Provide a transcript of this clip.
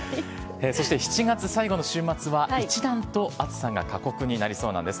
そして７月最後の週末は一段と暑さが過酷になりそうなんです。